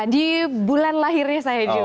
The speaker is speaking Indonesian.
di bulan lahirnya saya jo